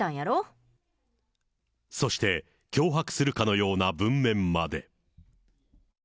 そして、脅迫するかのような文面まで。